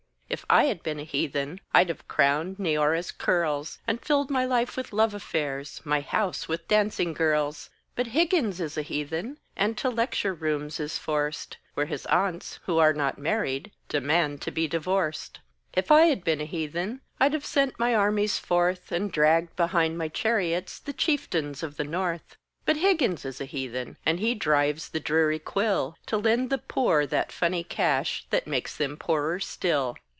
If I had been a Heathen, I'd have crowned Neoera's curls, And filled my life with love affairs, My house with dancing girls; But Higgins is a Heathen, And to lecture rooms is forced, Where his aunts, who are not married, Demand to be divorced. If I had been a Heathen, I'd have sent my armies forth, And dragged behind my chariots The Chieftains of the North. But Higgins is a Heathen, And he drives the dreary quill, To lend the poor that funny cash That makes them poorer still.